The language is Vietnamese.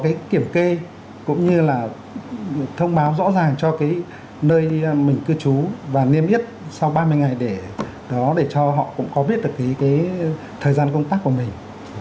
cái kiểm kê cũng như là thông báo rõ ràng cho cái nơi mình cư trú và niêm yết sau ba mươi ngày để đó để cho họ cũng có biết được cái thời gian công tác của mình